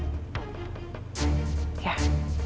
aku harus mencari mama